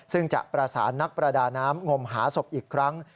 ซึ่งจะประสานนักประดาน้ำงมหาศพอีกครั้ง